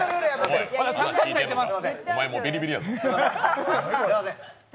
お前もうビリビリやぞ。